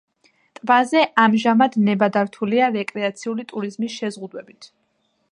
ტბაზე ამჟამად ნებადართულია რეკრეაციული ტურიზმი შეზღუდვებით.